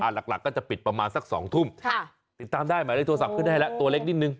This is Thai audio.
หลักก็จะปิดประมาณสัก๒ทุ่มติดตามได้หมายเลขโทรศัพท์ขึ้นให้แล้วตัวเล็กนิดนึง